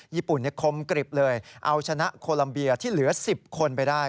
ญี่ปุ่นคมกริบเลยเอาชนะโคลัมเบียที่เหลือ๑๐คนไปได้